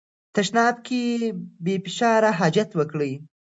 تشناب کې بې فشار حاجت وکړئ.